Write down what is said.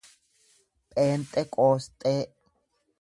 pheenxeqoosxee